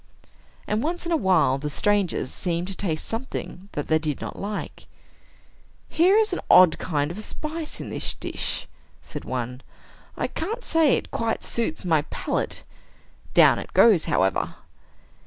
And, once in a while, the strangers seemed to taste something that they did not like. "Here is an odd kind of spice in this dish," said one. "I can't say it quite suits my palate. Down it goes, however."